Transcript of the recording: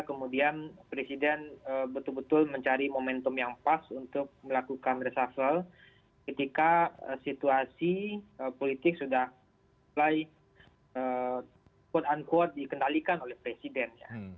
kemudian presiden betul betul mencari momentum yang pas untuk melakukan reshuffle ketika situasi politik sudah mulai quote unquote dikendalikan oleh presiden